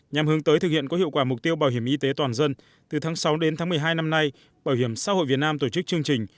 nhằm hướng tới thực hiện có hiệu quả mục tiêu bảo hiểm y tế toàn dân từ tháng sáu đến tháng một mươi hai năm nay bảo hiểm xã hội việt nam tổ chức chương trình